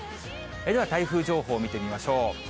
では、台風情報を見てみましょう。